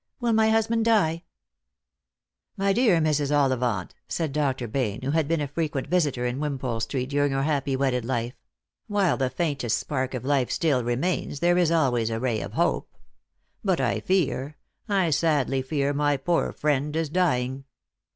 "Will my husband die ?" "My dear Mrs. Ollivant," said Dr. Bayne, who had been a frequent visitor in Wimpole street during her happy wedded life, "while the faintest spark of life still remains there is always a ray of hope ; but I fear — I sadly fear my poor friend is dying."